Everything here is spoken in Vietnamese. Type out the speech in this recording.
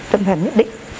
tâm thần nhất định